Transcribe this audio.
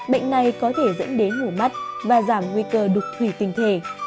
bệnh này có thể dẫn đến hủ mắt và giảm nguy cơ đục thủy tình thể